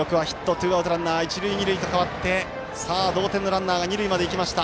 ツーアウトランナー、一塁二塁と変わって同点のランナーが二塁まで行きました。